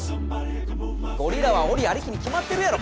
ゴリラは檻ありきに決まってるやろ！